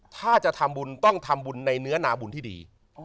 ถ้าจะทำบุญต้องทำบุญในเนื้อนาบุญที่ดี